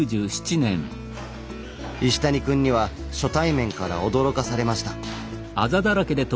石谷くんには初対面から驚かされました。